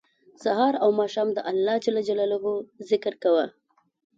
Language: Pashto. سهار او ماښام د الله ج ذکر کوه